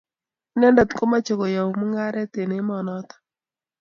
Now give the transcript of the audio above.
Inendet komache koyou mung'aret eng' emonoto